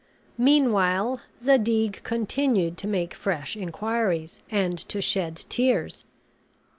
Meanwhile, Zadig continued to make fresh inquiries, and to shed tears.